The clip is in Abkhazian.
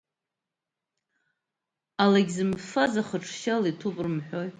Ала егьзымфаз ахаҿы шьала иҭәуп рымҳәои!